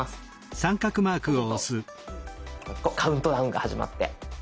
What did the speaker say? そうするとカウントダウンが始まって。